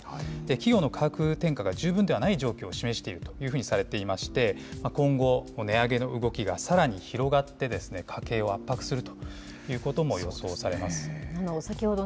企業の価格転嫁が十分ではない状況を示しているというふうにされていまして、今後、値上げの動きがさらに広がって、家計を圧迫す先ほど